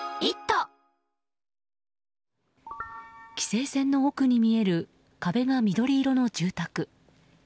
規制線の奥に見える壁が緑色の住宅。